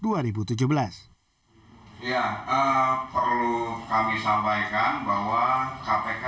ya perlu kami sampaikan bahwa kpk adalah lembaga yang independen